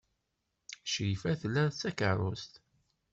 Crifa tla takeṛṛust.